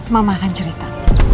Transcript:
mama akan cerita